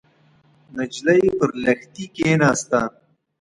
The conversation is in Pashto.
نجلۍ پر لښتي کېناسته.